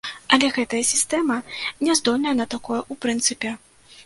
Але гэтая сістэма не здольная на такое ў прынцыпе.